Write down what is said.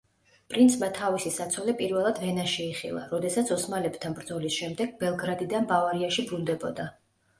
პრინცმა თავისი საცოლე პირველად ვენაში იხილა, როდესაც ოსმალებთან ბრძოლის შემდეგ ბელგრადიდან ბავარიაში ბრუნდებოდა.